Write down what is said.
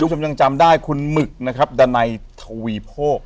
คุณชาญจำได้คุณหมึกนะครับดันใดทวีโพก